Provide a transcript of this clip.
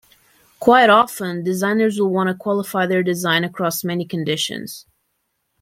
Quite often, designers will want to qualify their design across many conditions.